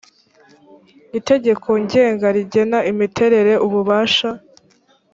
itegeko ngenga rigena imiterere ububasha